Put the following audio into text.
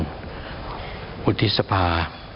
ประธานอุทิศภา